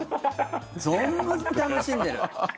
存分に楽しんでる。